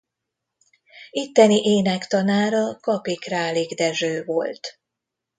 Itteni énektanára Kapi-Králik Dezső volt.